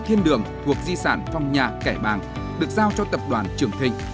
thiên đường thuộc di sản phong nhà kẻ bàng được giao cho tập đoàn trường thịnh